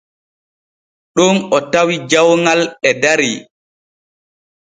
Ɗon o tawi jawŋal e dari.